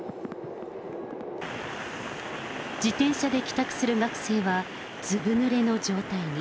自転車で帰宅する学生はずぶ濡れの状態に。